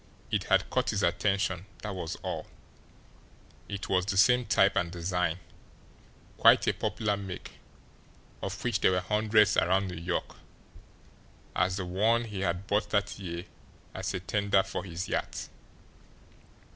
It had caught his attention, that was all it was the same type and design, quite a popular make, of which there were hundreds around New York, as the one he had bought that year as a tender for his yacht.